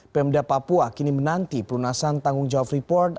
pemda papua kini menanti pelunasan tanggung jawab freeport